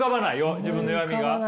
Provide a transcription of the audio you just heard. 自分の弱みが。